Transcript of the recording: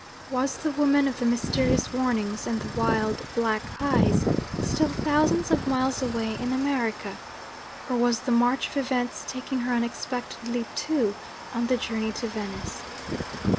Was the woman of the mysterious warnings and the wild black eyes still thousands of miles away in America? Or was the march of events taking her unexpectedly, too, on the journey to Venice?